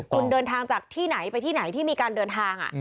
คุณเดินทางจากที่ไหนไปที่ไหนที่มีการเดินทาง